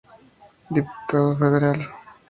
Diputado Federal.